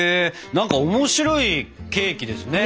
なんか面白いケーキですね。